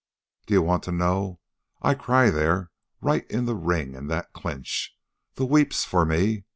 "D'ye want to know? I cry there, right in the ring, in that clinch. The weeps for me.